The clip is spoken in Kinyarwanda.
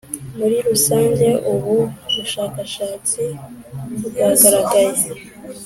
Muri rusange ubu bushakashatsi bwagaragaye